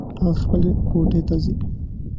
هغه خپلې کوټې ته ځي